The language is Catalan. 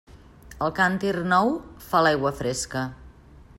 El càntir nou fa l'aigua fresca.